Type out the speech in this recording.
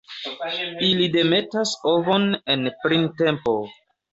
Ili demetas ovon en printempo.